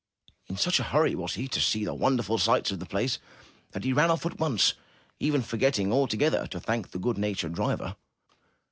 In such a hurry was he to see the won derful sights of the place, that he ran off at once even forgetting altogether to thank the good natured driver.